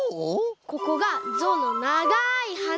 ここがゾウのながいはな。